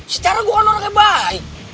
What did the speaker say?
secara gue kan orangnya baik